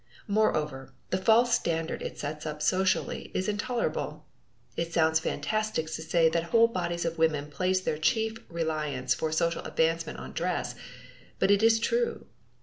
Moreover, the false standard it sets up socially is intolerable. It sounds fantastic to say that whole bodies of women place their chief reliance for social advancement on dress, but it is true.